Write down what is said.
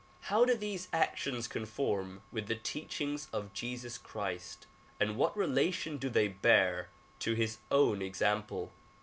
How do these actions conform with the teachings of Jesus Christ and what relation do they bear to his own example?